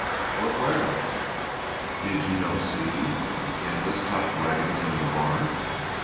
"What wagons?" "Did you no see the canvas topped wagons in the barn?